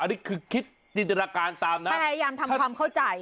อันนี้คือคิดจินตนาการตามนะพยายามทำความเข้าใจ